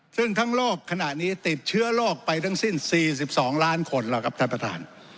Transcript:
ซึ่งทั้งโลกขณะนี้ติดเชื้อโรคไปทั้งสิ้น๔๒ล้านคนแล้วครับท่านประธาน